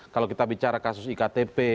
kalau kita bicara kasus iktp